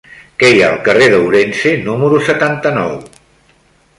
Què hi ha al carrer d'Ourense número setanta-nou?